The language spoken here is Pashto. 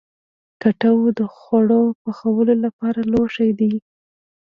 کټوه د خواړو پخولو لپاره لوښی دی